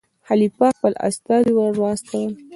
خلیفه خپل استازی ور واستاوه.